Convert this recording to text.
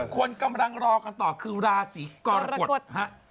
คนกำลังรอกันต่อคือราศีกรกฎฮะ